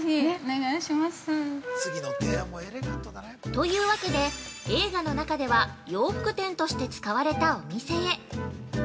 ◆というわけで、映画の中では洋服店として使われたお店へ。